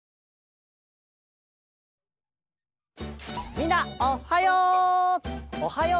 みんなおっはよう！